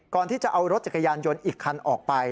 ก่อนที่จะเอารถจักรยานยนต์อีกคันออกไป